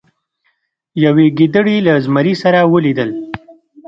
یوې ګیدړې له زمري سره ولیدل.